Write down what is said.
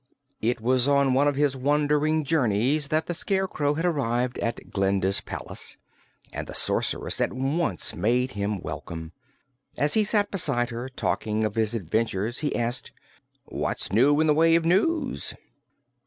It was on one of his wandering journeys that the Scarecrow had arrived at Glinda's palace, and the Sorceress at once made him welcome. As he sat beside her, talking of his adventures, he asked: "What's new in the way of news?"